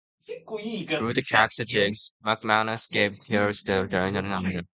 Through the character Jiggs, McManus gave voice to their anxieties and aspirations.